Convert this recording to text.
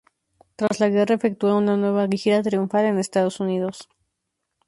Tras la guerra, efectúa una nueva gira triunfal en Estados Unidos.